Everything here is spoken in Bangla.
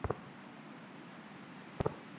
যত বেশী দিন লাগবে, তত বেশি থাকতেও পারবো।